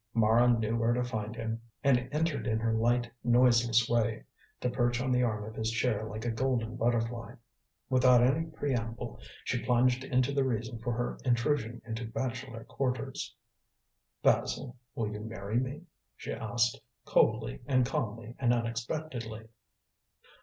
Mara knew where to find him, and entered in her light, noiseless way, to perch on the arm of his chair like a golden butterfly. Without any preamble she plunged into the reason for her intrusion into bachelor quarters. "Basil, will you marry me?" she asked, coldly and calmly and unexpectedly.